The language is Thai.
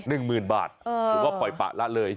หนึ่งหมื่นบาทผมว่าปล่อยปะละเลย